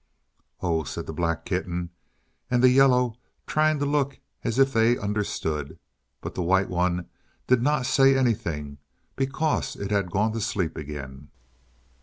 "Oh!" said the black kitten and the yellow, trying to look as if they understood. But the white one did not say anything, because it had gone to sleep again.